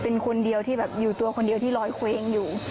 เป็นคนเดียวที่แบบอยู่ตัวคนเดียวที่ลอยเคว้งอยู่